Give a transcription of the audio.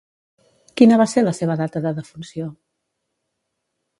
Quina va ser la seva data de defunció?